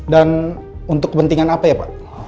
dan untuk kepentingan apa ya pak